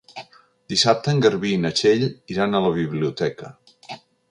Dissabte en Garbí i na Txell iran a la biblioteca.